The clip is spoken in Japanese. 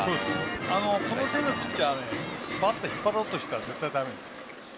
この手のピッチャーはバッターは引っ張ろうとしたら絶対だめです。